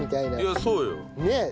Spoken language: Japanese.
いやそうよ。ねえ。